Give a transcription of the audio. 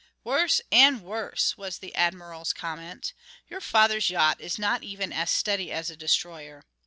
"Worse and worse," was the Admiral's comment. "Your father's yacht is not even as steady as a destroyer.